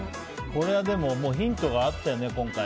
これはヒントがあったよね。